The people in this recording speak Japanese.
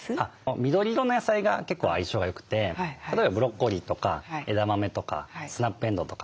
緑色の野菜が結構相性がよくて例えばブロッコリーとか枝豆とかスナップエンドウとか。